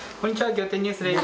『仰天ニュース』です。